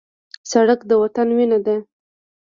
سړک د وطن وینه ده.